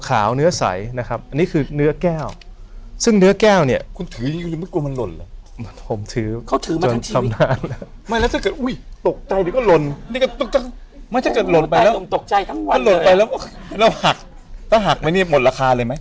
ถ้าหักไปเนี่ยหมดราคาเลยไหม